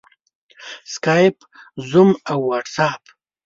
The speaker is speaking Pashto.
سکایپ، زوم او واټساپ